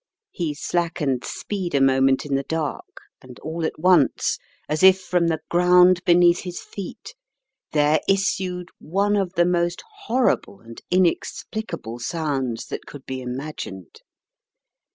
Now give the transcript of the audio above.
He slackened speed a moment in the dark and all at once, as if from the ground be neath his feet, there issued one of the most horrible and inexplicable sounds that could be imagined.